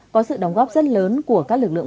có sự đóng góp rất lớn của các lực lượng